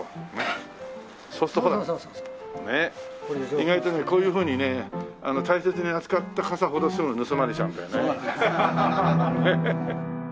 意外とねこういうふうにね大切に扱った傘ほどすぐ盗まれちゃうんだよね。